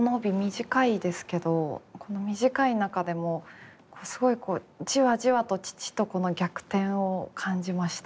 短いですけどこの短い中でもすごいじわじわと父と子の逆転を感じましたね。